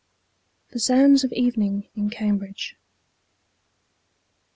THE SOUNDS OF EVENING IN CAMBRIDGE.